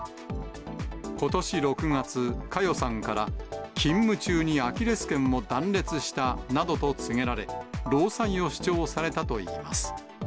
ことし６月、佳代さんから、勤務中にアキレスけんを断裂したなどと告げられ、労災を主張されたといいます。